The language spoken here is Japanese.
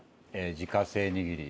自家製握り。